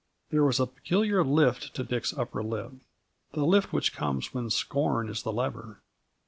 There was a peculiar lift to Dick's upper lip the lift which comes when scorn is the lever.